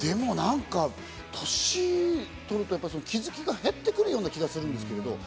年取ると気づきが減ってくるような気がするんですけど。